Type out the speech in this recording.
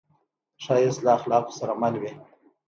ښایست له اخلاقو سره مل وي